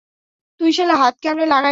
তুই শালা হাত কেমনে লাগাইলি?